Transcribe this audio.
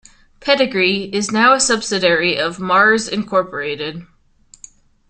Pedigree is now a subsidiary of Mars, Incorporated.